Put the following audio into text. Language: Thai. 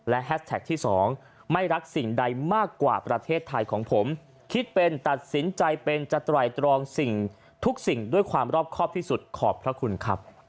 และแฮชแท็กที่สองไม่รักสิ่งใดมากกว่าประเทศไทยของผมคิดเป็นตัดสินใจเป็นจะไตรตรองสิ่งทุกสิ่งด้วยความรอบครอบที่สุดขอบพระคุณครับ